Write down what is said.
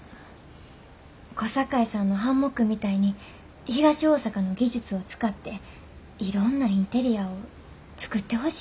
小堺さんのハンモックみたいに東大阪の技術を使っていろんなインテリアを作ってほしいって。